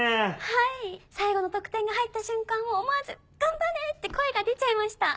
はい最後の得点が入った瞬間は思わず「頑張れ！」って声が出ちゃいました。